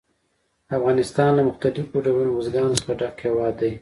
افغانستان له مختلفو ډولونو بزګانو څخه ډک هېواد دی.